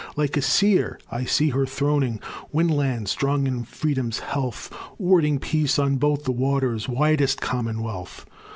Like a seer, I see her throning, WINLAND strong in freedom's health, Warding peace on both the waters, Widest Commonwealth.